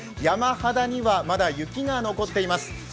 山肌にはまだ雪が残っています。